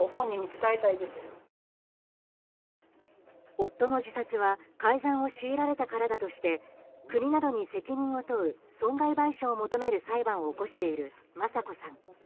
夫の自殺は改ざんを強いられたからだとして国などに責任を問う損害賠償を求める裁判を起こしている雅子さん。